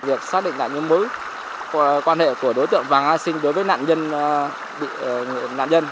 việc xác định lại những mối quan hệ của đối tượng và nga sinh đối với nạn nhân bị nạn nhân